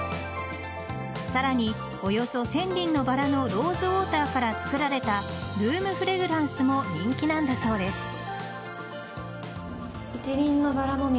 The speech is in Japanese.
さらに、およそ１０００輪のバラのローズウォーターから作られたルームフレグランスも人気なんだそうです。